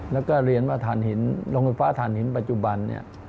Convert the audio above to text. และเรียนว่าโรงไฟฟ้าธ่านหินปัจจุบัน